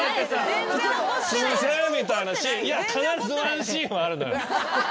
必ずワンシーンはある。